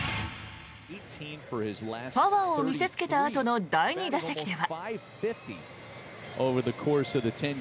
パワーを見せつけたあとの第２打席では。